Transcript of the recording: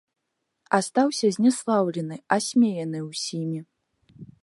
Астаўся зняслаўлены, асмеяны ўсімі.